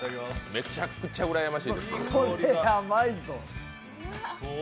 めちゃくちゃうらやましいです。